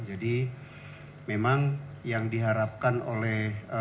jadi memang yang diharapkan oleh